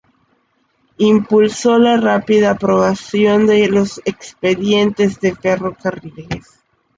Impulsó la rápida aprobación de los expedientes de ferrocarriles.